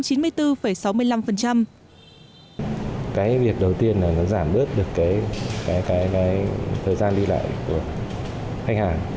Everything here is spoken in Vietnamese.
cái việc đầu tiên là giảm bước được cái thời gian đi lại của